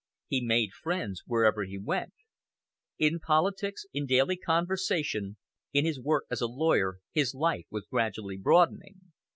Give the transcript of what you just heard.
He made friends wherever he went. In politics, in daily conversation, in his work as a lawyer, his life was gradually broadening.